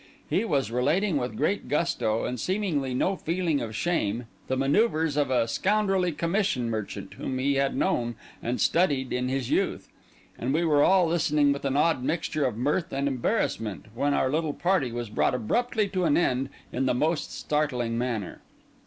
He was relating with great gusto, and seemingly no feeling of shame, the manœuvres of a scoundrelly commission merchant whom he had known and studied in his youth, and we were all listening with an odd mixture of mirth and embarrassment when our little party was brought abruptly to an end in the most startling manner.